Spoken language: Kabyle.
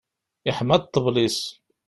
Iḥma ṭṭbel-is.